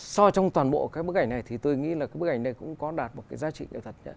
so trong toàn bộ cái bức ảnh này thì tôi nghĩ là cái bức ảnh này cũng có đạt một cái giá trị